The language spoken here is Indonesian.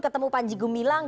ketemu panji gumilang